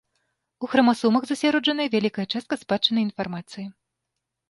У храмасомах засяроджаная вялікая частка спадчыннай інфармацыі.